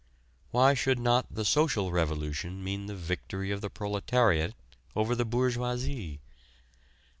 Why should not the Social Revolution mean the victory of the proletariat over the bourgeoisie?